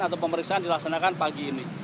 atau pemeriksaan dilaksanakan pagi ini